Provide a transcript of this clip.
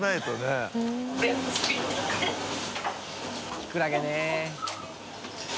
キクラゲね。